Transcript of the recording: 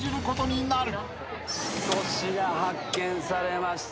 粗品発見されました。